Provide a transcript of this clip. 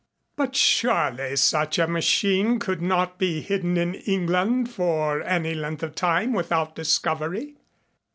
"But surely such a machine could not be hidden in England for any length of time without discovery."